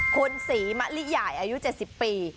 คุณศรีมะลิใหญ่อายุ๗๐ปี